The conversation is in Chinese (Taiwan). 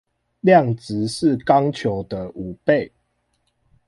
量值是鋼球的五倍